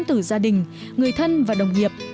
từ gia đình người thân và đồng nghiệp